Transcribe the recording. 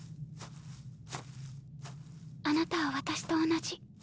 あなたは私と同じ。